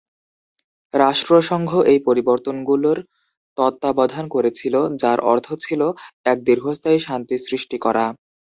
রাষ্ট্রসংঘ এই পরিবর্তনগুলোর তত্ত্বাবধান করেছিল, যার অর্থ ছিল এক দীর্ঘস্থায়ী শান্তি সৃষ্টি করা।